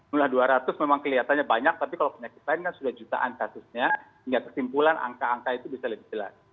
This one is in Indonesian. mulai dua ratus memang kelihatannya banyak tapi kalau penyakit lain kan sudah jutaan kasusnya hingga kesimpulan angka angka itu bisa lebih jelas